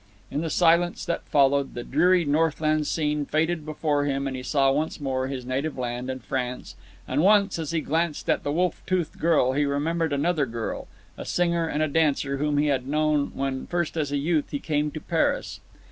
In the silence that followed, the dreary northland scene faded before him, and he saw once more his native land, and France, and, once, as he glanced at the wolf toothed girl, he remembered another girl, a singer and a dancer, whom he had known when first as a youth he came to Paris.